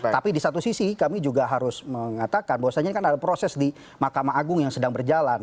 tapi di satu sisi kami juga harus mengatakan bahwasannya kan ada proses di mahkamah agung yang sedang berjalan